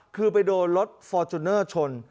คือไปโดนรถฟอร์จูเนอร์ชน